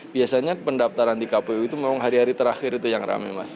biasanya pendaftaran di kpu itu memang hari hari terakhir itu yang rame mas